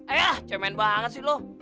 eh cemen banget sih lo